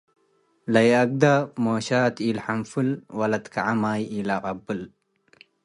. ለይአግደ ምኦሻት ኢለሐንፍል ወለትከዐ ማይ ኢለቀብል፣